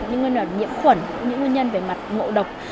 những nguyên là nhiễm khuẩn những nguyên nhân về mặt ngộ độc